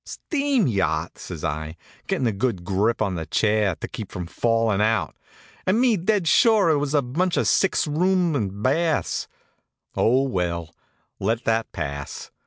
"Steam yacht!" says I, gettin' a good grip on the chair, to keep from falling out. "And me dead sure it was a bunch of six room and baths! Oh, well, let that pass.